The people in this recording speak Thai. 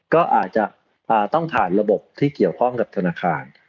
ก็อาจจะต้องผ่านระบบที่เกี่ยวข้องกับธนาคาร